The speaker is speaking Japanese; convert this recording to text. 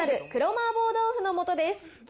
麻婆豆腐の素です。